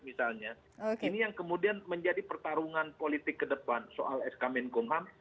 misalnya ini yang kemudian menjadi pertarungan politik ke depan soal sk menkumham